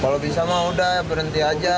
kalau bisa mah udah berhenti aja